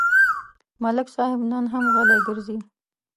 ملک صاحب نن هم غلی ګرځي.